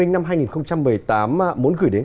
năm hai nghìn một mươi tám muốn gửi đến